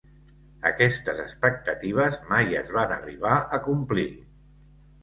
Aquestes expectatives mai es van arribar a complir.